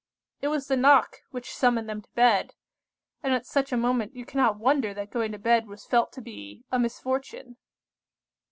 It was the knock which summoned them to bed; and at such a moment you cannot wonder that going to bed was felt to be a misfortune.